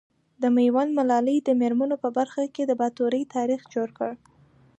د ميوند ملالي د مېرمنو په برخه کي د باتورئ تاريخ جوړ کړ .